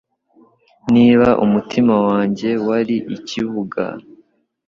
Niba umutima wanjye wari ikibuga